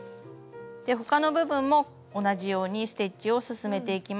他の部分も同じようにステッチを進めていきます